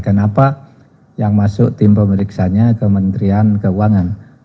kenapa yang masuk tim pemeriksanya kementerian keuangan